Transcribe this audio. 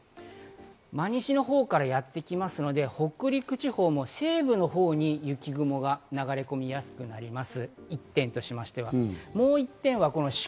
真西の方からやってきますので、北陸地方も西部の方に雪雲が流れ込みやすくなります。